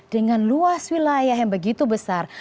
dengan luas wilayah yang begitu besar